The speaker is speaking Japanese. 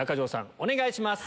お願いします！